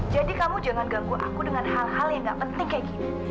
jadi kamu jangan ganggu aku dengan hal hal yang gak penting kayak gini